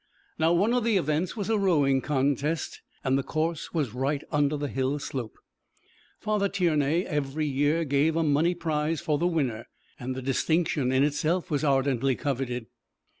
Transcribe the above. Now one of the events was a rowing contest, and the course was right under the hill slope. Father Tiernay every year gave a money prize for the winner, and the distinction in itself was ardently coveted.